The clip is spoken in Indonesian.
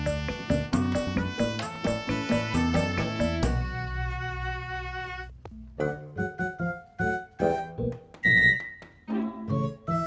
jadi begini ceritanya